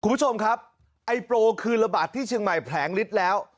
คุณผู้ชมครับไอ้โปรคือระบาดที่เชียงใหม่แผลงฤทธิ์แล้ว